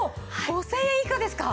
５０００円以下ですか。